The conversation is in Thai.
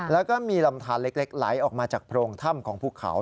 แล้วก็มีลำทานเล็กไหลออกมาจากโพรงถ้ำของภูเขา